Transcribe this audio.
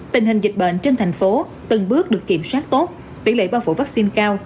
tình hình dịch bệnh trên thành phố từng bước được kiểm soát tốt tỷ lệ bao phủ vaccine cao